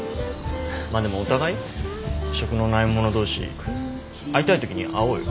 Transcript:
まあでもお互い？職のないもの同士会いたい時に会おうよ。